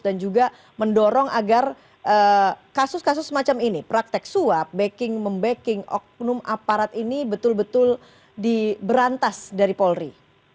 dan juga mendorong agar kasus kasus semacam ini praktek suap backing membacking oknum aparat ini betul betul diberantas dari polri